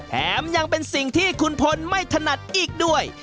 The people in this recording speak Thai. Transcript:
แถมยังเป็นสิ่งที่คุณพลไม่ถนัดอีกด้วย